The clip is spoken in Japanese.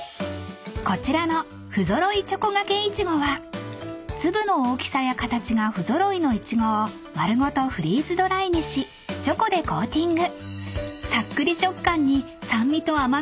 ［こちらの不揃いチョコがけいちごは粒の大きさや形が不揃いのいちごを丸ごとフリーズドライにしチョコでコーティング］